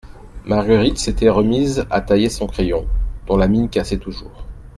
Marguerite s'était remise à tailler son crayon, dont la mine cassait toujours.